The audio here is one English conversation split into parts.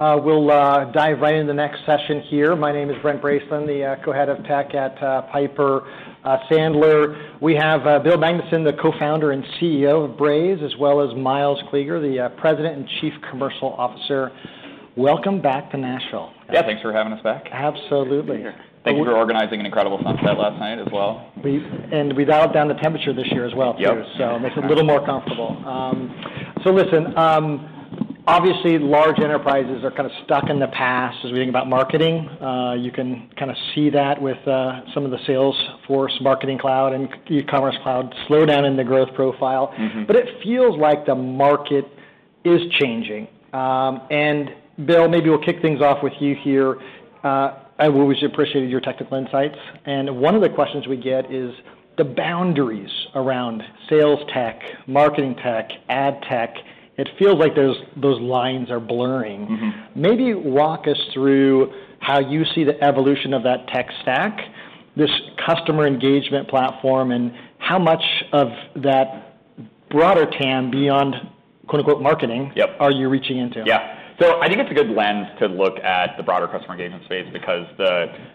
We'll dive right into the next session here. My name is Brent Bracelin, the Co-Head of Tech at Piper Sandler. We have Bill Magnuson, the Co-Founder and CEO of Braze, as well as Myles Kleeger, the President and Chief Commercial Officer. Welcome back to Nashville. Yeah, thanks for having us back. Absolutely. Good to be here. Thank you for organizing an incredible sunset last night as well. We dialed down the temperature this year as well, too. Yep. So it's a little more comfortable. Listen, obviously, large enterprises are kind of stuck in the past as we think about marketing. You can kind of see that with some of the Salesforce Marketing Cloud and e-commerce cloud slowdown in the growth profile. Mm-hmm. But it feels like the market is changing, and Bill, maybe we'll kick things off with you here. I've always appreciated your technical insights, and one of the questions we get is the boundaries around sales tech, marketing tech, ad tech, it feels like those lines are blurring. Mm-hmm. Maybe walk us through how you see the evolution of that tech stack, this customer engagement platform, and how much of that broader TAM beyond "marketing"- are you reaching into? Yeah. So I think it's a good lens to look at the broader customer engagement space, because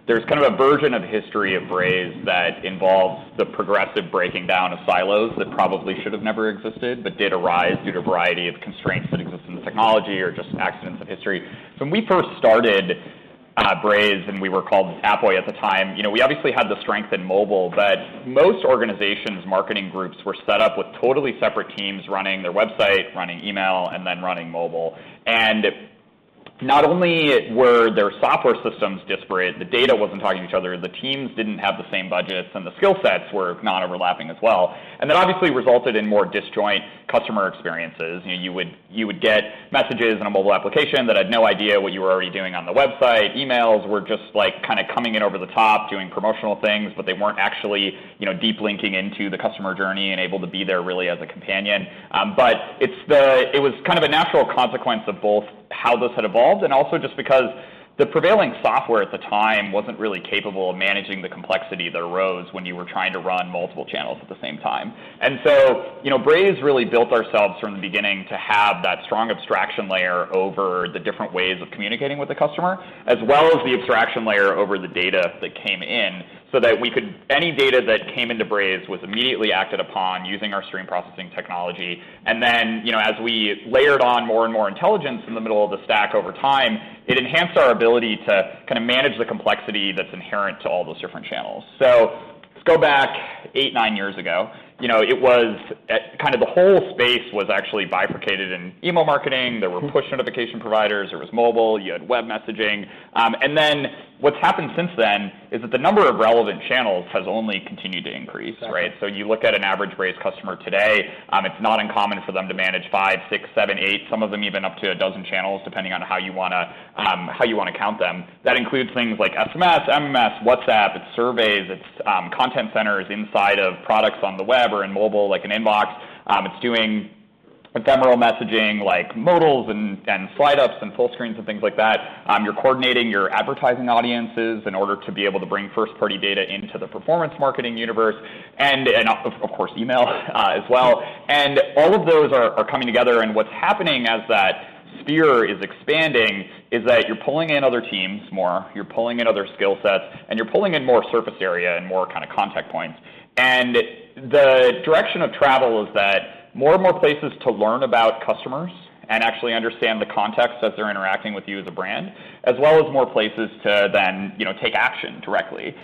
there's kind of a version of history of Braze that involves the progressive breaking down of silos that probably should have never existed, but did arise due to a variety of constraints that exist in the technology or just accidents of history. When we first started Braze, and we were called Appboy at the time, you know, we obviously had the strength in mobile, but most organizations' marketing groups were set up with totally separate teams running their website, running email, and then running mobile. And not only were their software systems disparate, the data wasn't talking to each other, the teams didn't have the same budgets, and the skill sets were not overlapping as well. And that obviously resulted in more disjoint customer experiences. You know, you would get messages in a mobile application that had no idea what you were already doing on the website. Emails were just, like, kind of coming in over the top, doing promotional things, but they weren't actually, you know, deep linking into the customer journey and able to be there really as a companion. It was kind of a natural consequence of both how this had evolved and also just because the prevailing software at the time wasn't really capable of managing the complexity that arose when you were trying to run multiple channels at the same time. And so, you know, Braze really built ourselves from the beginning to have that strong abstraction layer over the different ways of communicating with the customer, as well as the abstraction layer over the data that came in, so that any data that came into Braze was immediately acted upon using our stream processing technology. And then, you know, as we layered on more and more intelligence in the middle of the stack over time, it enhanced our ability to kind of manage the complexity that's inherent to all those different channels. So let's go back eight, nine years ago. You know, it was kind of the whole space was actually bifurcated in email marketing. There were push notification providers, there was mobile, you had web messaging. And then what's happened since then is that the number of relevant channels has only continued to increase, right? So you look at an average Braze customer today, it's not uncommon for them to manage five, six, seven, eight, some of them even up to a dozen channels, depending on how you wanna, how you wanna count them. That includes things like SMS, MMS, WhatsApp, it's surveys, it's, content centers inside of products on the web or in mobile, like an inbox. It's doing ephemeral messaging, like modals and, and slide ups and full screens and things like that. You're coordinating your advertising audiences in order to be able to bring first-party data into the performance marketing universe, and, of course, email, as well. All of those are coming together, and what's happening as that sphere is expanding is that you're pulling in other teams more, you're pulling in other skill sets, and you're pulling in more surface area and more kind of contact points. The direction of travel is that more and more places to learn about customers and actually understand the context as they're interacting with you as a brand, as well as more places to then, you know, take action directly.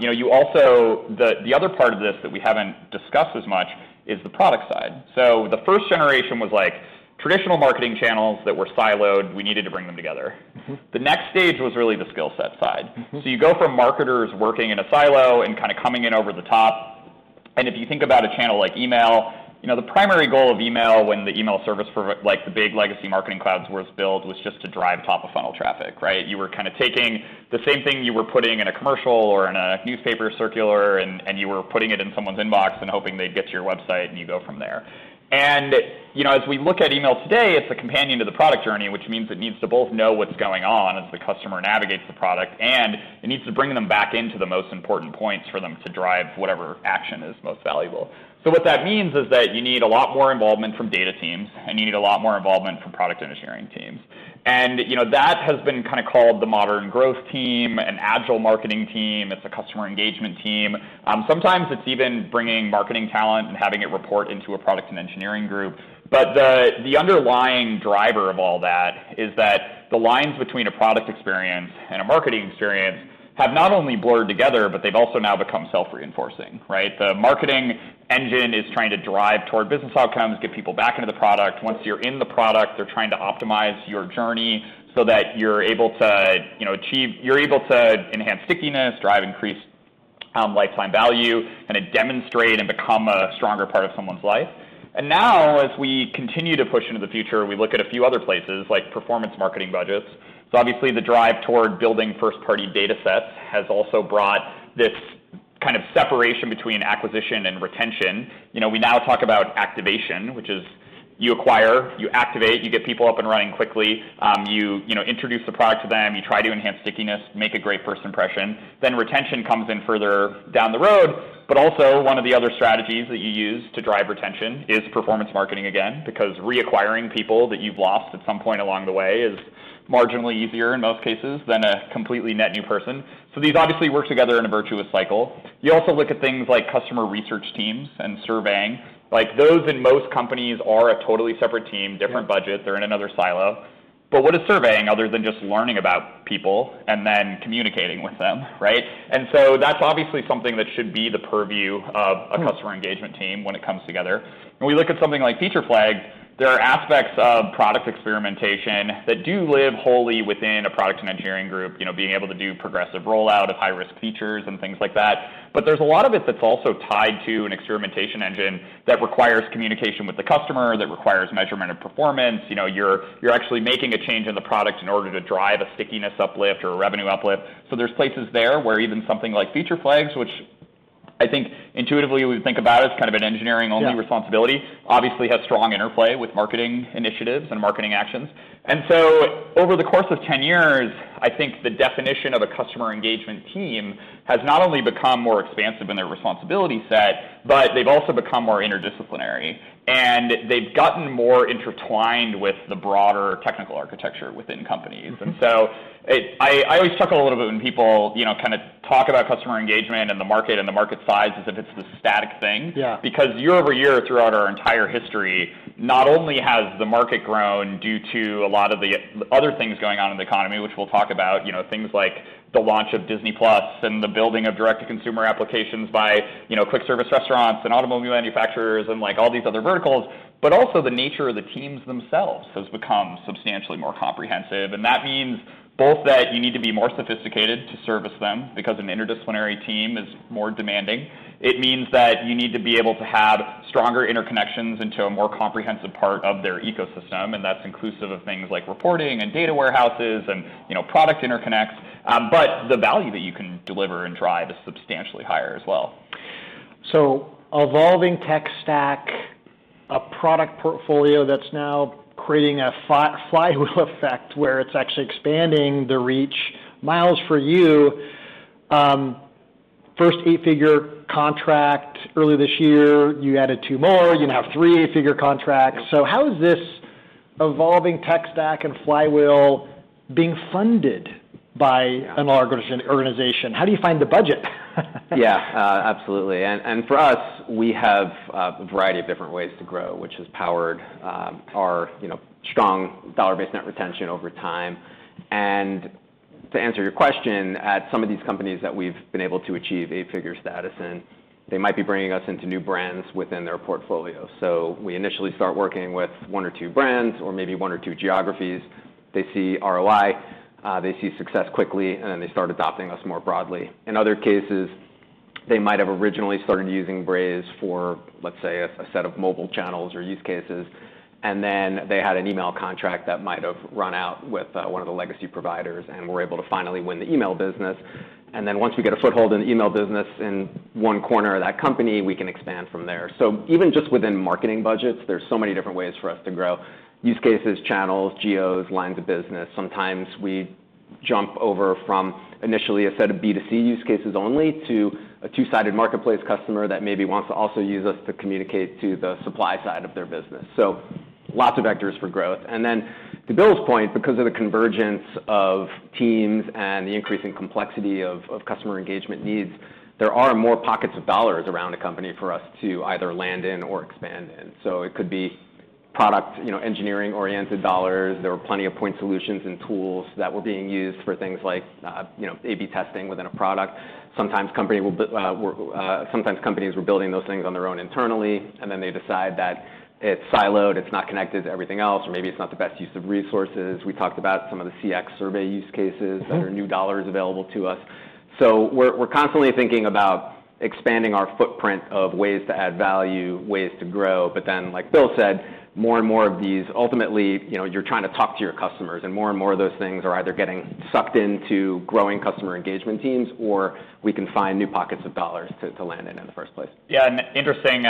You know, you also, the other part of this that we haven't discussed as much is the product side. The first generation was, like, traditional marketing channels that were siloed; we needed to bring them together. Mm-hmm. The next stage was really the skillset side. Mm-hmm. You go from marketers working in a silo and kind of coming in over the top, and if you think about a channel like email, you know, the primary goal of email when the email service for, like, the big legacy marketing clouds was built, was just to drive top-of-funnel traffic, right? You were kind of taking the same thing you were putting in a commercial or in a newspaper circular, and you were putting it in someone's inbox and hoping they'd get to your website, and you go from there. You know, as we look at email today, it's a companion to the product journey, which means it needs to both know what's going on as the customer navigates the product, and it needs to bring them back into the most important points for them to drive whatever action is most valuable. So what that means is that you need a lot more involvement from data teams, and you need a lot more involvement from product engineering teams, and you know, that has been kind of called the modern growth team, an agile marketing team, it's a customer engagement team. Sometimes it's even bringing marketing talent and having it report into a product and engineering group. But the underlying driver of all that is that the lines between a product experience and a marketing experience have not only blurred together, but they've also now become self-reinforcing, right? The marketing engine is trying to drive toward business outcomes, get people back into the product. Once you're in the product, they're trying to optimize your journey so that you're able to, you know, achieve—you're able to enhance stickiness, drive increased lifetime value, and to demonstrate and become a stronger part of someone's life. Now, as we continue to push into the future, we look at a few other places, like performance marketing budgets. So obviously, the drive toward building first-party data sets has also brought this kind of separation between acquisition and retention. You know, we now talk about activation, which is you acquire, you activate, you get people up and running quickly, you know, introduce the product to them, you try to enhance stickiness, make a great first impression. Then retention comes in further down the road. But also, one of the other strategies that you use to drive retention is performance marketing again, because reacquiring people that you've lost at some point along the way is marginally easier in most cases than a completely net new person. So these obviously work together in a virtuous cycle. You also look at things like customer research teams and surveying. Like, those in most companies are a totally separate team, different budget, they're in another silo. But what is surveying other than just learning about people and then communicating with them, right? And so that's obviously something that should be the purview of a customer engagement team when it comes together. When we look at something like feature flags, there are aspects of product experimentation that do live wholly within a product and engineering group, you know, being able to do progressive rollout of high-risk features and things like that. But there's a lot of it that's also tied to an experimentation engine that requires communication with the customer, that requires measurement of performance. You know, you're actually making a change in the product in order to drive a stickiness uplift or a revenue uplift. So there's places there where even something like feature flags, which I think intuitively we think about as kind of an engineering-only responsibility, obviously has strong interplay with marketing initiatives and marketing actions. So over the course of 10 years, I think the definition of a customer engagement team has not only become more expansive in their responsibility set, but they've also become more interdisciplinary, and they've gotten more intertwined with the broader technical architecture within companies. I always chuckle a little bit when people, you know, kind of talk about customer engagement and the market and the market size as if it's this static thing. Yeah. Because year-over-year, throughout our entire history, not only has the market grown due to a lot of the other things going on in the economy, which we'll talk about, you know, things like the launch of Disney+ and the building of direct-to-consumer applications by, you know, quick service restaurants and automobile manufacturers, and, like, all these other verticals, but also the nature of the teams themselves has become substantially more comprehensive, and that means both that you need to be more sophisticated to service them, because an interdisciplinary team is more demanding. It means that you need to be able to have stronger interconnections into a more comprehensive part of their ecosystem, and that's inclusive of things like reporting and data warehouses and, you know, product interconnects, but the value that you can deliver and drive is substantially higher as well. So evolving tech stack, a product portfolio that's now creating a flywheel effect, where it's actually expanding the reach. Myles, for you, first eight-figure contract early this year, you added two more, you now have three eight-figure contracts. Yeah. So how is this evolving tech stack and flywheel being funded by an organization? How do you find the budget? Yeah, absolutely. And for us, we have a variety of different ways to grow, which has powered our, you know, strong dollar-based net retention over time. And to answer your question, at some of these companies that we've been able to achieve eight-figure status in, they might be bringing us into new brands within their portfolio. So we initially start working with one or two brands, or maybe one or two geographies. They see ROI, they see success quickly, and then they start adopting us more broadly. In other cases, they might have originally started using Braze for, let's say, a set of mobile channels or use cases, and then they had an email contract that might have run out with one of the legacy providers, and we're able to finally win the email business. And then once we get a foothold in the email business in one corner of that company, we can expand from there. So even just within marketing budgets, there's so many different ways for us to grow: use cases, channels, geos, lines of business. Sometimes we jump over from initially a set of B2C use cases only to a two-sided marketplace customer that maybe wants to also use us to communicate to the supply side of their business. So lots of vectors for growth. And then to Bill's point, because of the convergence of teams and the increasing complexity of customer engagement needs, there are more pockets of dollars around a company for us to either land in or expand in. So it could be product, you know, engineering-oriented dollars. There were plenty of point solutions and tools that were being used for things like, you know, A/B testing within a product. Sometimes companies were building those things on their own internally, and then they decide that it's siloed, it's not connected to everything else, or maybe it's not the best use of resources. We talked about some of the CX survey use cases that are new dollars available to us. So we're constantly thinking about expanding our footprint of ways to add value, ways to grow. But then, like Bill said, more and more of these, ultimately, you know, you're trying to talk to your customers, and more and more of those things are either getting sucked into growing customer engagement teams, or we can find new pockets of dollars to land in in the first place. Yeah, an interesting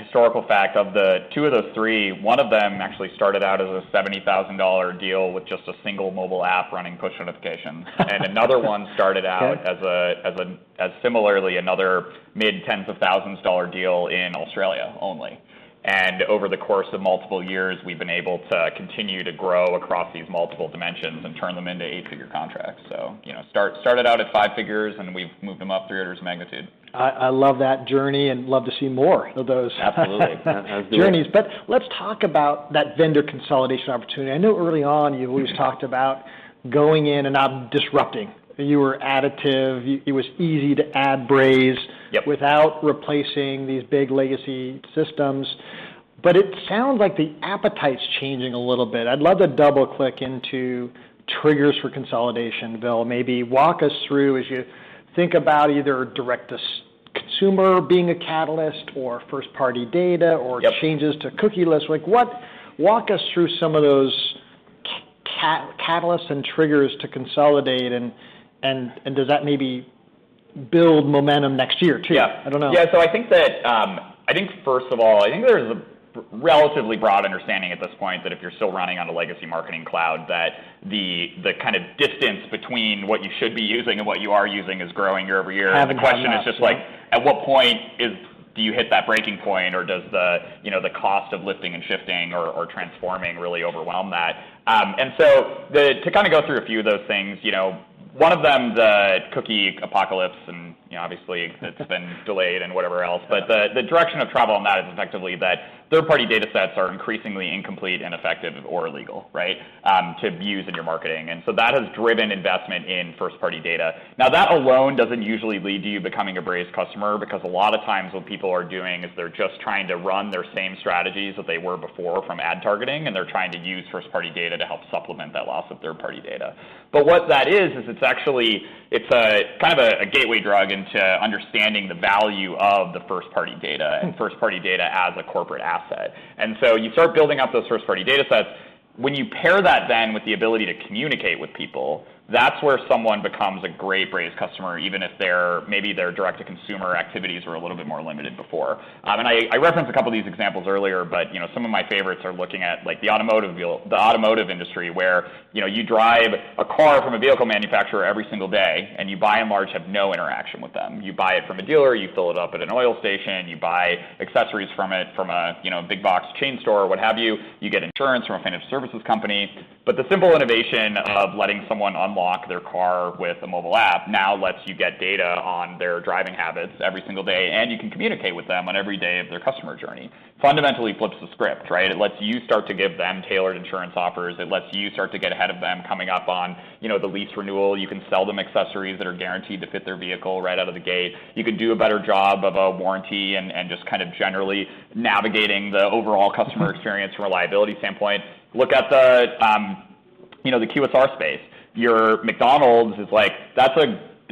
historical fact, of the two of those three, one of them actually started out as a $70,000 deal with just a single mobile app running push notifications. And another one started out as similarly, another mid-tens of thousands dollar deal in Australia only. And over the course of multiple years, we've been able to continue to grow across these multiple dimensions and turn them into eight-figure contracts. So, you know, started out at five figures, and we've moved them up three orders of magnitude. I love that journey and love to see more of those— Absolutely. Journeys. But let's talk about that vendor consolidation opportunity. I know early on, you always talked about going in and not disrupting. You were additive. It was easy to add Braze— Yep. Without replacing these big legacy systems. But it sounds like the appetite's changing a little bit. I'd love to double-click into triggers for consolidation, Bill. Maybe walk us through, as you think about either direct-to-consumer being a catalyst or first-party data or changes to cookie lists. Like, walk us through some of those catalysts and triggers to consolidate, and does that maybe build momentum next year, too? Yeah. I don't know. Yeah, so I think that, I think first of all, I think there's a relatively broad understanding at this point that if you're still running on a legacy marketing cloud, that the kind of distance between what you should be using and what you are using is growing year-over-year. Have enough, yeah. And the question is just like, at what point do you hit that breaking point, or does the, you know, the cost of lifting and shifting or transforming really overwhelm that? And so to kind of go through a few of those things, you know, one of them, the cookie apocalypse, and, you know, obviously it's been delayed and whatever else. But the direction of travel on that is effectively that third-party data sets are increasingly incomplete, ineffective, or illegal, right? To use in your marketing. And so that has driven investment in first-party data. Now, that alone doesn't usually lead to you becoming a Braze customer, because a lot of times what people are doing is they're just trying to run their same strategies that they were before from ad targeting, and they're trying to use first-party data to help supplement that loss of third-party data. But what that is is it's actually a kind of a gateway drug into understanding the value of the first-party data and first-party data as a corporate asset, and so you start building out those first-party data sets. When you pair that then with the ability to communicate with people, that's where someone becomes a great Braze customer, even if their, maybe their direct-to-consumer activities were a little bit more limited before, and I referenced a couple of these examples earlier, but, you know, some of my favorites are looking at, like, the automotive industry, where, you know, you drive a car from a vehicle manufacturer every single day, and you by and large have no interaction with them. You buy it from a dealer, you fill it up at a gas station, you buy accessories from a, you know, big box chain store, or what have you. You get insurance from a financial services company. But the simple innovation of letting someone unlock their car with a mobile app now lets you get data on their driving habits every single day, and you can communicate with them on every day of their customer journey. Fundamentally flips the script, right? It lets you start to give them tailored insurance offers. It lets you start to get ahead of them coming up on, you know, the lease renewal. You can sell them accessories that are guaranteed to fit their vehicle right out of the gate. You can do a better job of a warranty and just kind of generally navigating the overall customer experience from a liability standpoint. Look at the, you know, the QSR space. Your McDonald's is like, that's,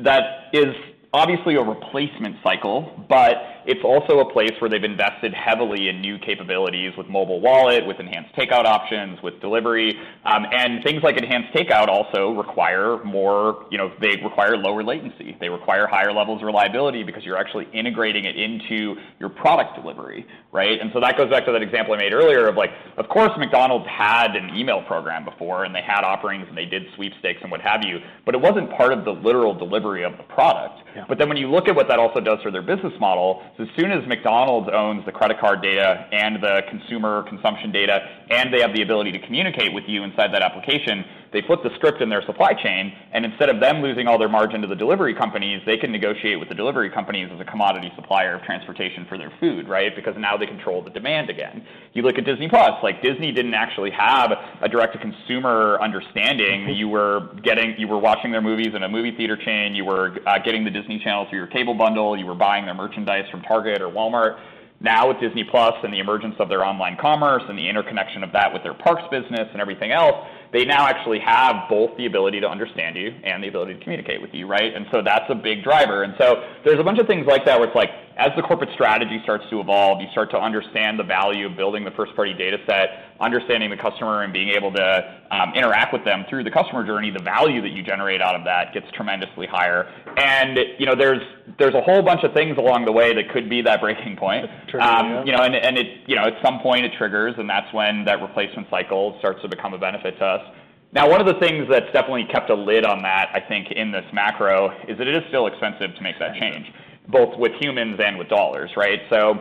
that is obviously a replacement cycle, but it's also a place where they've invested heavily in new capabilities with mobile wallet, with enhanced takeout options, with delivery. And things like enhanced takeout also require more—you know, they require lower latency. They require higher levels of reliability because you're actually integrating it into your product delivery, right? And so that goes back to that example I made earlier of like, of course, McDonald's had an email program before, and they had offerings, and they did sweepstakes and what have you, but it wasn't part of the literal delivery of the product. Yeah. But then when you look at what that also does for their business model, as soon as McDonald's owns the credit card data and the consumer consumption data, and they have the ability to communicate with you inside that application, they flip the script in their supply chain, and instead of them losing all their margin to the delivery companies, they can negotiate with the delivery companies as a commodity supplier of transportation for their food, right? Because now they control the demand again. You look at Disney+, like Disney didn't actually have a direct-to-consumer understanding. Mm-hmm.You were watching their movies in a movie theater chain, you were getting the Disney Channel through your cable bundle, you were buying their merchandise from Target or Walmart. Now, with Disney+ and the emergence of their online commerce and the interconnection of that with their parks business and everything else, they now actually have both the ability to understand you and the ability to communicate with you, right? And so that's a big driver. And so there's a bunch of things like that, where it's like, as the corporate strategy starts to evolve, you start to understand the value of building the first-party data set, understanding the customer and being able to interact with them through the customer journey. The value that you generate out of that gets tremendously higher. You know, there's a whole bunch of things along the way that could be that breaking point. Trigger, yeah. You know, and it, you know, at some point it triggers, and that's when that replacement cycle starts to become a benefit to us. Now, one of the things that's definitely kept a lid on that, I think, in this macro, is that it is still expensive to make that change—both with humans and with dollars, right? So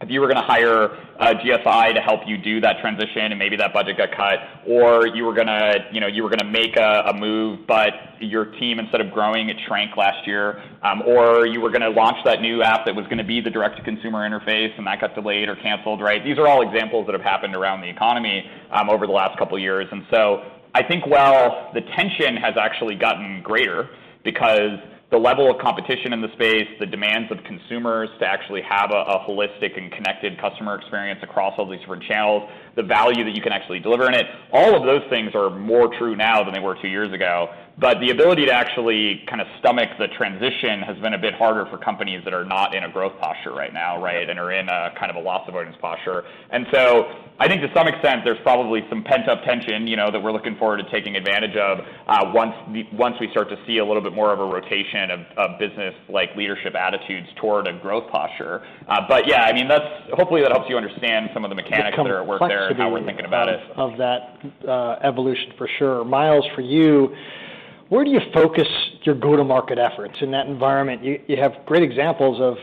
if you were gonna hire a GSI to help you do that transition, and maybe that budget got cut, or you were gonna, you know, you were gonna make a move, but your team, instead of growing, it shrank last year, or you were gonna launch that new app that was gonna be the direct-to-consumer interface, and that got delayed or canceled, right? These are all examples that have happened around the economy over the last couple of years. And so I think while the tension has actually gotten greater, because the level of competition in the space, the demands of consumers to actually have a holistic and connected customer experience across all these different channels, the value that you can actually deliver in it, all of those things are more true now than they were two years ago. But the ability to actually kind of stomach the transition has been a bit harder for companies that are not in a growth posture right now, right. And are in a kind of a loss avoidance posture. So I think to some extent, there's probably some pent-up tension, you know, that we're looking forward to taking advantage of once we start to see a little bit more of a rotation of business like leadership attitudes toward a growth posture. But yeah, I mean, that's hopefully that helps you understand some of the mechanics that are at work there and how we're thinking about it. The complexity of that evolution, for sure. Myles, for you, where do you focus your go-to-market efforts in that environment? You have great examples of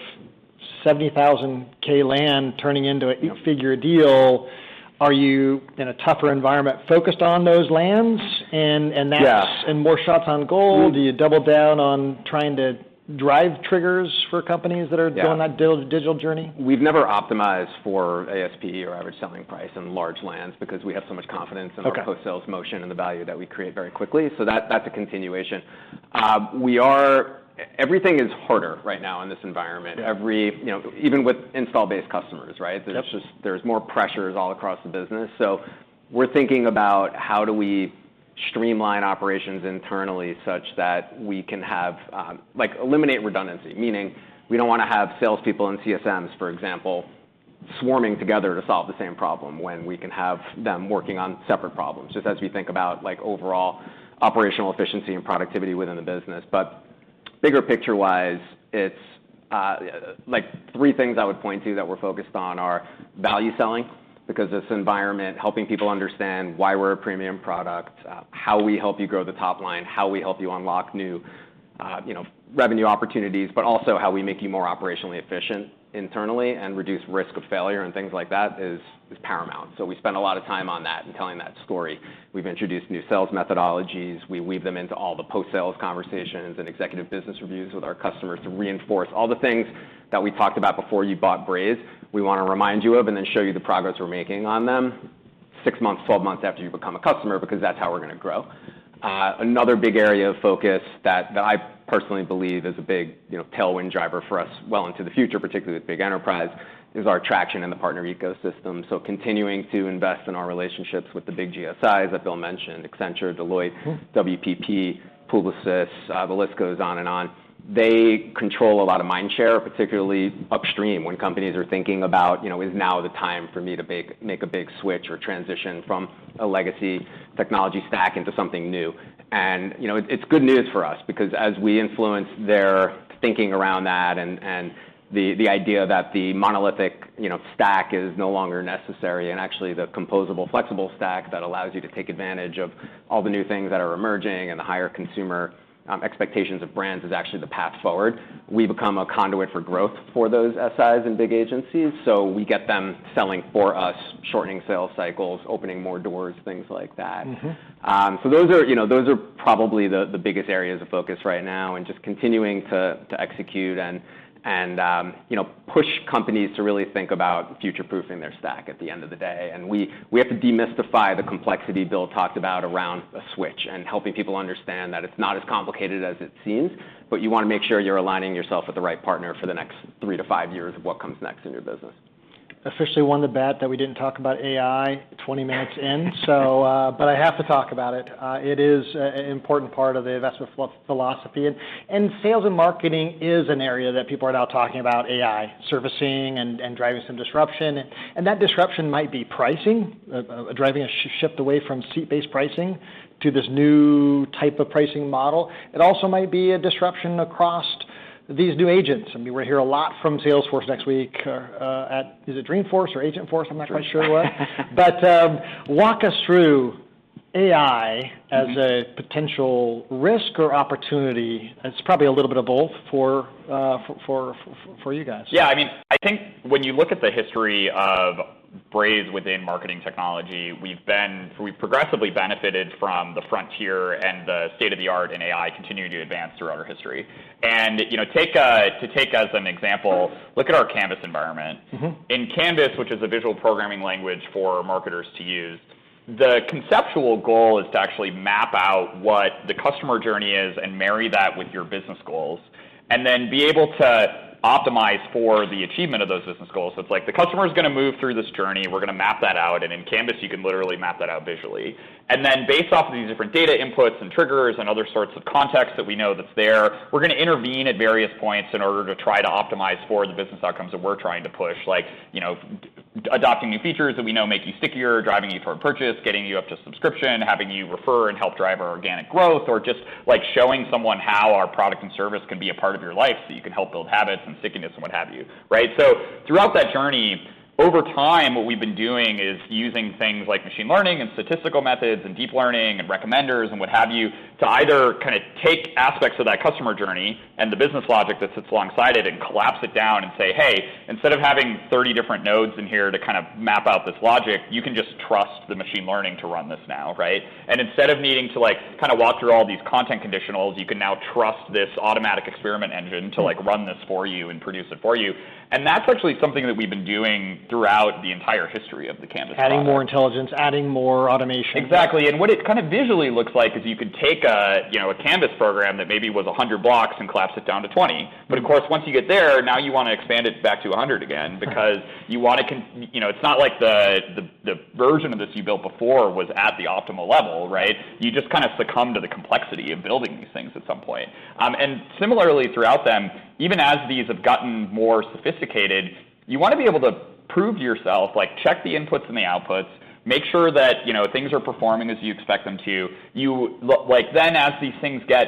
$70,000 land turning into an eight-figure deal. Are you, in a tougher environment, focused on those lands and that's— Yeah. And more shots on goal? Do you double down on trying to drive triggers for companies that are— Yeah. Doing that digital journey? We've never optimized for ASP or average selling price in large lands because we have so much confidence— Okay. In our post-sales motion and the value that we create very quickly. So that, that's a continuation. Everything is harder right now in this environment. Yeah. You know, even with installed base customers, right? Yep. There's more pressures all across the business. So we're thinking about how do we streamline operations internally such that we can have, like, eliminate redundancy, meaning we don't wanna have salespeople and CSMs, for example—swarming together to solve the same problem when we can have them working on separate problems, just as we think about, like, overall operational efficiency and productivity within the business. But bigger picture-wise, it's like three things I would point to that we're focused on are value selling, because this environment, helping people understand why we're a premium product, how we help you grow the top line, how we help you unlock new, you know, revenue opportunities, but also how we make you more operationally efficient internally and reduce risk of failure and things like that, is paramount. So we spend a lot of time on that and telling that story. We've introduced new sales methodologies. We weave them into all the post-sales conversations and executive business reviews with our customers to reinforce all the things that we talked about before you bought Braze. We want to remind you of, and then show you the progress we're making on them six months, twelve months after you've become a customer, because that's how we're gonna grow. Another big area of focus that I personally believe is a big, you know, tailwind driver for us well into the future, particularly with big enterprise, is our traction in the partner ecosystem. So continuing to invest in our relationships with the big GSIs, that Bill mentioned, Accenture, Deloitte, WPP, Publicis, the list goes on and on. They control a lot of mind share, particularly upstream, when companies are thinking about, you know, is now the time for me to make a big switch or transition from a legacy technology stack into something new? You know, it's good news for us, because as we influence their thinking around that and the idea that the monolithic, you know, stack is no longer necessary, and actually, the composable, flexible stack that allows you to take advantage of all the new things that are emerging and the higher consumer expectations of brands is actually the path forward. We become a conduit for growth for those SIs and big agencies, so we get them selling for us, shortening sales cycles, opening more doors, things like that. Mm-hmm. So those are, you know, probably the biggest areas of focus right now, and just continuing to execute and you know, push companies to really think about future-proofing their stack at the end of the day. And we have to demystify the complexity Bill talked about around a switch, and helping people understand that it's not as complicated as it seems, but you want to make sure you're aligning yourself with the right partner for the next three to five years of what comes next in your business. Officially won the bet that we didn't talk about AI twenty minutes in. So, but I have to talk about it. It is an important part of the investment philosophy. And sales and marketing is an area that people are now talking about AI, servicing and driving some disruption. And that disruption might be pricing, driving a shift away from seat-based pricing to this new type of pricing model. It also might be a disruption across these new agents. I mean, we're going to hear a lot from Salesforce next week, at—is it Dreamforce or Agentforce? I'm not quite sure what. But, walk us through AI as a potential risk or opportunity—it's probably a little bit of both for you guys. Yeah, I mean, I think when you look at the history of Braze within marketing technology, we've been progressively benefited from the frontier and the state-of-the-art in AI continuing to advance throughout our history. And, you know, take, to take as an example, look at our Canvas environment. Mm-hmm. In Canvas, which is a visual programming language for marketers to use, the conceptual goal is to actually map out what the customer journey is and marry that with your business goals, and then be able to optimize for the achievement of those business goals. So it's like the customer is gonna move through this journey. We're gonna map that out, and in Canvas, you can literally map that out visually. And then, based off of these different data inputs and triggers and other sorts of contexts that we know that's there, we're gonna intervene at various points in order to try to optimize for the business outcomes that we're trying to push. Like, you know, adopting new features that we know make you stickier, driving you toward purchase, getting you up to subscription, having you refer and help drive our organic growth, or just, like, showing someone how our product and service can be a part of your life, so you can help build habits and stickiness and what have you, right? So throughout that journey, over time, what we've been doing is using things like machine learning and statistical methods and deep learning and recommenders and what have you, to either kind of take aspects of that customer journey and the business logic that sits alongside it and collapse it down and say, "Hey, instead of having thirty different nodes in here to kind of map out this logic, you can just trust the machine learning to run this now," right? Instead of needing to, like, kind of walk through all these content conditionals, you can now trust this automatic experiment engine to, like, run this for you and produce it for you. That's actually something that we've been doing throughout the entire history of the Canvas product. Adding more intelligence, adding more automation. Exactly. And what it kind of visually looks like is you could take a, you know, a Canvas program that maybe was a 100 blocks and collapse it down to 20. Right. But, of course, once you get there, now you want to expand it back to a hundred again— Right. Because you want to. You know, it's not like the version of this you built before was at the optimal level, right? You just kind of succumb to the complexity of building these things at some point, and similarly, throughout them, even as these have gotten more sophisticated, you want to be able to prove to yourself, like, check the inputs and the outputs, make sure that, you know, things are performing as you expect them to. Like, then, as these things get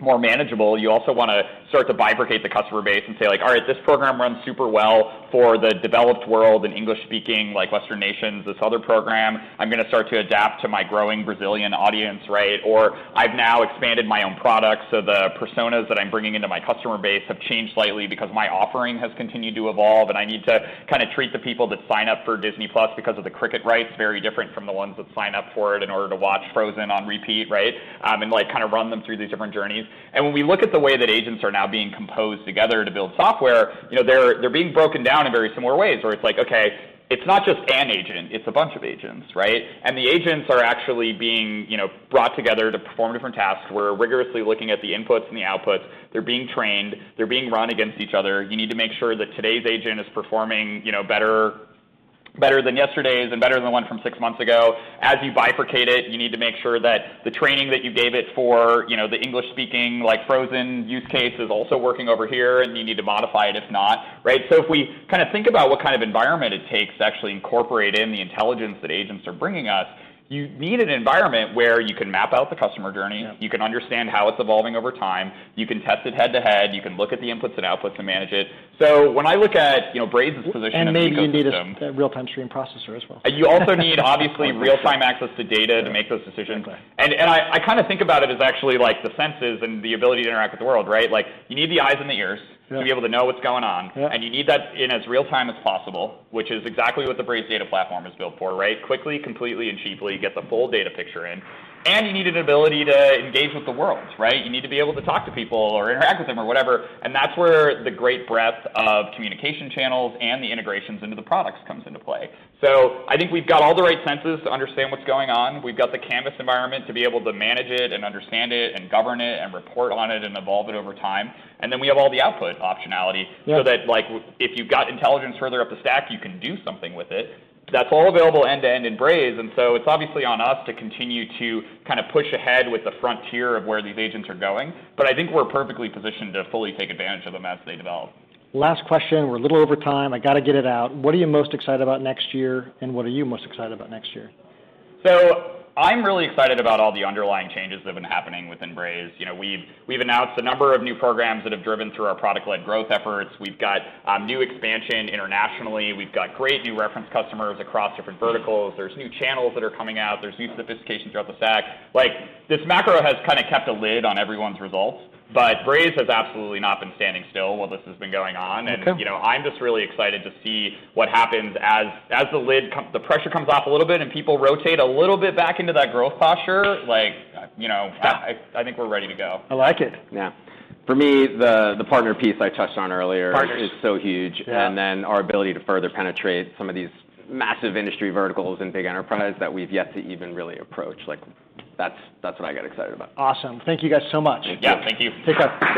more manageable, you also want to start to bifurcate the customer base and say, like: All right, this program runs super well for the developed world and English-speaking, like, Western nations. This other program, I'm gonna start to adapt to my growing Brazilian audience, right? Or I've now expanded my own product, so the personas that I'm bringing into my customer base have changed slightly because my offering has continued to evolve, and I need to kind of treat the people that sign up for Disney+ because of the cricket rights very different from the ones that sign up for it in order to watch Frozen on repeat, right? And, like, kind of run them through these different journeys. And when we look at the way that agents are now being composed together to build software, you know, they're being broken down in very similar ways, where it's like, okay, it's not just an agent, it's a bunch of agents, right? And the agents are actually being, you know, brought together to perform different tasks. We're rigorously looking at the inputs and the outputs. They're being trained. They're being run against each other. You need to make sure that today's agent is performing, you know, better than yesterday's, and better than the one from six months ago. As you bifurcate it, you need to make sure that the training that you gave it for, you know, the English-speaking, like, Frozen use case is also working over here, and you need to modify it if not, right? So if we kind of think about what kind of environment it takes to actually incorporate in the intelligence that agents are bringing us, you need an environment where you can map out the customer journey— Yeah. you can understand how it's evolving over time, you can test it head-to-head, you can look at the inputs and outputs and manage it. So when I look at, you know, Braze's position in the ecosystem. Maybe you need a real-time stream processor as well. You also need, obviously, real-time access to data to make those decisions. Okay. And I kind of think about it as actually, like, the senses and the ability to interact with the world, right? Like, you need the eyes and the ears— Yeah. To be able to know what's going on. Yeah. And you need that in as real time as possible, which is exactly what the Braze Data Platform is built for, right? Quickly, completely, and cheaply get the full data picture in. And you need an ability to engage with the world, right? You need to be able to talk to people or interact with them or whatever, and that's where the great breadth of communication channels and the integrations into the products comes into play. So I think we've got all the right senses to understand what's going on. We've got the Canvas environment to be able to manage it, and understand it, and govern it, and report on it, and evolve it over time. And then we have all the output optionality— Yeah. So that, like, if you've got intelligence further up the stack, you can do something with it. That's all available end-to-end in Braze, and so it's obviously on us to continue to kind of push ahead with the frontier of where these agents are going. But I think we're perfectly positioned to fully take advantage of them as they develop. Last question. We're a little over time. I gotta get it out. What are you most excited about next year, and what are you most excited about next year? I'm really excited about all the underlying changes that have been happening within Braze. You know, we've announced a number of new programs that have driven through our product-led growth efforts. We've got new expansion internationally. We've got great new reference customers across different verticals. There's new channels that are coming out. Yeah. There's new sophistication throughout the stack. Like, this macro has kind of kept a lid on everyone's results, but Braze has absolutely not been standing still while this has been going on. Good. You know, I'm just really excited to see what happens as the pressure comes off a little bit and people rotate a little bit back into that growth posture. Like, you know, I think we're ready to go. I like it. Yeah. For me, the partner piece I touched on earlier— Partners. Is so huge. Yeah. And then our ability to further penetrate some of these massive industry verticals and big enterprise that we've yet to even really approach. Like, that's, that's what I get excited about. Awesome. Thank you guys so much. Yeah. Thank you. Take care.